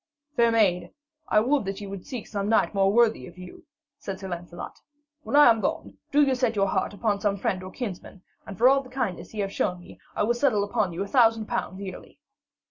'Fair maid, I would that you will seek some knight more worthy of you,' said Sir Lancelot. 'When I am gone, do you set your heart upon some friend or kinsman; and for all the kindness ye have shown me, I will settle upon you a thousand pounds yearly.'